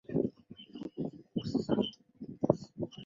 协助二度就业母亲